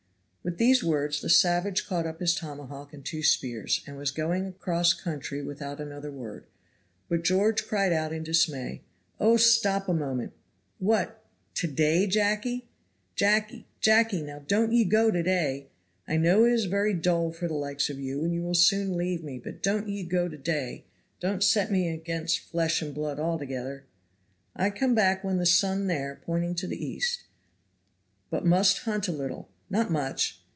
* At last. With these words the savage caught up his tomahawk and two spears, and was going across country without another word, but George cried out in dismay, "Oh, stop a moment! What! to day, Jacky? Jacky, Jacky, now don't ye go to day. I know it is very dull for the likes of you, and you will soon leave me, but don't ye go to day; don't set me against flesh and blood altogether." "I come back when the sun there," pointing to the east, "but must hunt a little, not much.